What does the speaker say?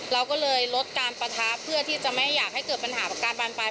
เราก็เลยลดการปะทะเพื่อที่จะไม่อยากให้เกิดปัญหาการบานปลาย